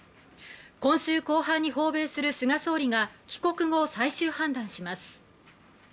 今週後半に訪米する菅総理が帰国後最終判断します